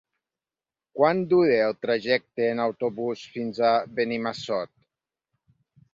Quant dura el trajecte en autobús fins a Benimassot?